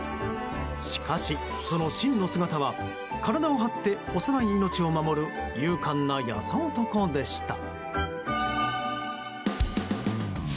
しかし、その真の姿は体を張って幼い命を守る勇敢な優男でした。